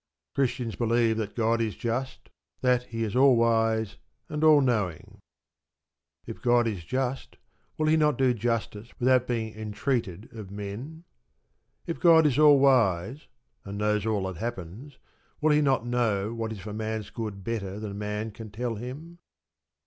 Christians believe that God is just, that He is all wise and all knowing. If God is just, will He not do justice without being entreated of men? If God is all wise, and knows all that happens, will He not know what is for man's good better than man can tell Him?